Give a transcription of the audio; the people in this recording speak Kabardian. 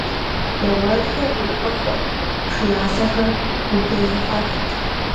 Я уэрэдхэр гухэхъуэт, пшыналъэхэр удэзыхьэхт.